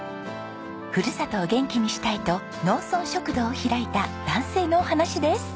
ふるさとを元気にしたいと農村食堂を開いた男性のお話です。